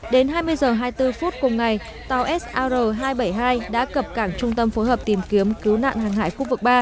đến hai mươi h hai mươi bốn phút cùng ngày tàu sir hai trăm bảy mươi hai đã cập cảng trung tâm phối hợp tìm kiếm cứu nạn hàng hải khu vực ba